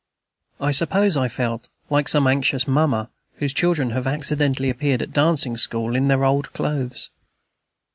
I suppose I felt like some anxious mamma whose children have accidentally appeared at dancing school in their old clothes.